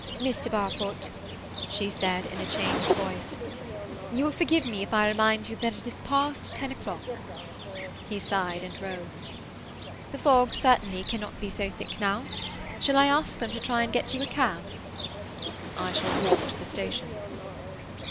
"Mr. Barfoot," she said in a changed voice, "you will forgive me if I remind you that it is past ten o'clock." He sighed and rose. "The fog certainly cannot be so thick now. Shall I ask them to try and get you a cab?" "I shall walk to the station."